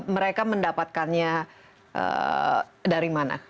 mereka mendapatkannya dari mana